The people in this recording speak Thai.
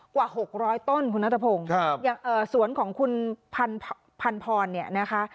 กว่า๖๐๐ต้นคุณนัทพงศ์อย่างสวนของคุณพันพรเนี่ยนะคะ